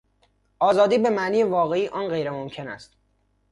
آزادی بهمعنی واقعی آن غیر ممکن است.